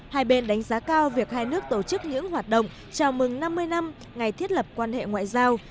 hai bên đánh giá cao việc hai nước tổ chức những hoạt động chào mừng năm mươi năm ngày thiết lập quan hệ ngoại giao